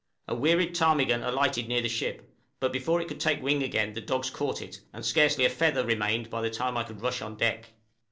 A wearied ptarmigan alighted near the ship, but before it could take wing again the dogs caught it, and scarcely a feather remained by the time I could rush on deck.